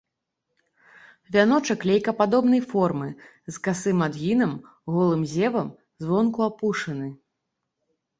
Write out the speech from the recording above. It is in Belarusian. Вяночак лейкападобнай формы, з касым адгінам, голым зевам, звонку апушаны.